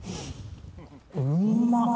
うんまっ。